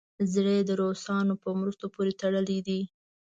زړه یې د روسانو په مرستو پورې تړلی دی.